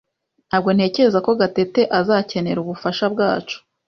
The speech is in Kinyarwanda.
Ntabwo ntekereza ko Gatete azakenera ubufasha bwacu.